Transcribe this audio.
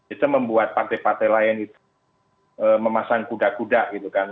itu membuat partai partai lain itu memasang kuda kuda gitu kan